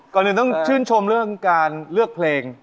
ก่อนอื่นต้องชื่นชมเรื่องการเลือกเพลง